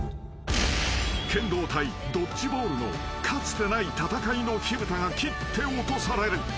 ［剣道対ドッジボールのかつてない戦いの火ぶたが切って落とされる］